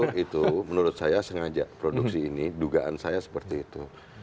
karena itu menurut saya sengaja produksi ini dugaan saya seperti itu